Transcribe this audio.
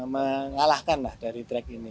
mengalahkan dari track ini